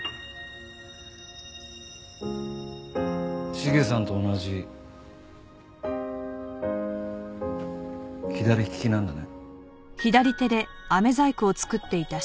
茂さんと同じ左利きなんだね。